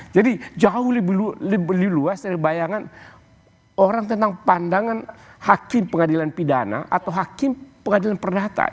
jadi jauh lebih luas dari bayangan orang tentang pandangan hakim pengadilan pidana atau hakim pengadilan perdata